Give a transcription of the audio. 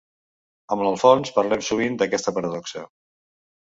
Amb l'Alfons parlem sovint d'aquesta paradoxa.